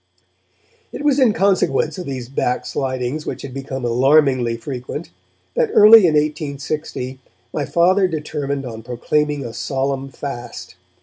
It was in consequence of these backslidings, which had become alarmingly frequent, that early in 1860 my Father determined on proclaiming a solemn fast.